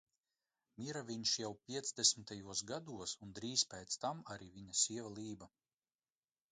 Mira viņš jau piecdesmitajos gados un drīz pēc tam arī viņa sieva Lība.